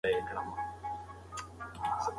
د ناکامو خلکو لارې ترک کول پکار دي.